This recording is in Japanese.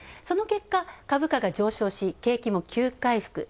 その結果、株価が上昇し、景気も急回復。